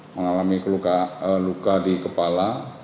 mengalami luka di kepala